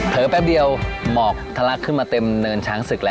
ก็เป็นบริเวณของประเทศเพื่อนบ้านอิตองจากด้านหลังผมเนี่ยนะครับ